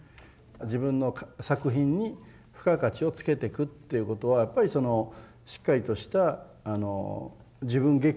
自分の作品に付加価値をつけていくということはやっぱりそのしっかりとした自分劇場をですね